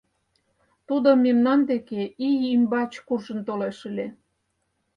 Тудо мемнан деке ий ӱмбач куржын толеш ыле.